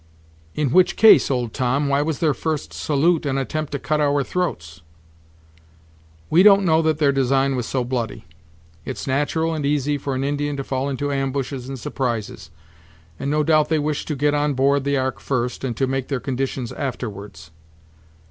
"In which case, old Tom, why was their first salute an attempt to cut our throats?" "We don't know that their design was so bloody. It's natural and easy for an Indian to fall into ambushes and surprises; and, no doubt they wished to get on board the ark first, and to make their conditions afterwards.